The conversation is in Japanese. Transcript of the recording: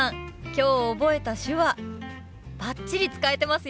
今日覚えた手話バッチリ使えてますよ！